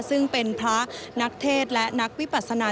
ซึ่งเป็นพระนักเทศและนักวิปัสนา